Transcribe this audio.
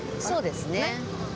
そうですね。